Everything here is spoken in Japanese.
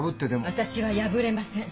私は破れません。